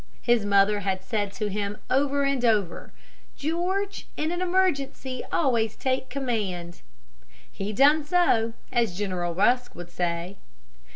His mother had said to him over and over, "George, in an emergency always take command." He done so, as General Rusk would say.